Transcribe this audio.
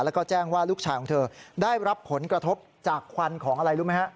แล้วก็แจ้งว่าลูกชายของเธอได้รับผลกระทบจากควันของอะไรรู้ไหมฮะ